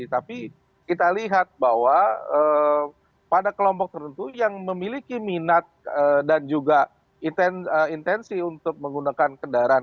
tapi kita lihat bahwa pada kelompok tertentu yang memiliki minat dan juga intensi untuk menggunakan kendaraan